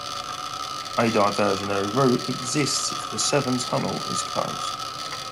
A diversionary route exists if the Severn Tunnel is closed.